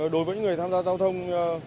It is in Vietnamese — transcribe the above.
đối với người tham gia giao thông